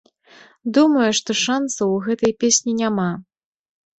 Думаю, што шанцаў у гэтай песні няма.